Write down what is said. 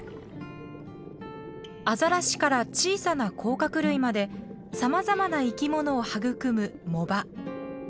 アザラシから小さな甲殻類までさまざまな生き物を育む藻場。